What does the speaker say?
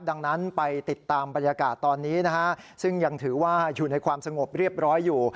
ดังนั้นไปติดตามบรรยากาศตอนนี้นะฮะซึ่งยังถือว่าอยู่ในความสงบเรียบร้อยอยู่